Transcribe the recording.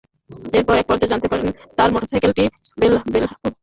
একপর্যায়ে জানতে পারেন, তাঁর মোটরসাইকেলটি বেলহালী পূর্ব পাড়ার লোকমানের বাড়িতে রয়েছে।